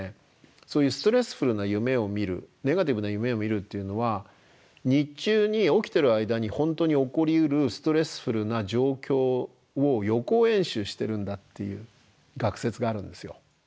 そういうストレスフルな夢を見るネガティブな夢を見るっていうのは日中に起きてる間に本当に起こりうるストレスフルな状況を予行演習してるんだっていう学説があるんですよ。